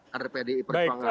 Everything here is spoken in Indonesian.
kader pdi perjuangan